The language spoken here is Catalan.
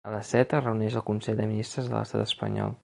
A les set es reuneix el consell de ministres de l’estat espanyol.